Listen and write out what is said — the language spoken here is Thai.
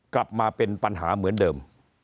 กลับมาเป็นปัญหาเหมือนเดิม